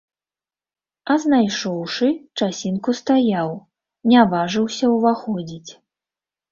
А знайшоўшы, часінку стаяў, не важыўся ўваходзіць.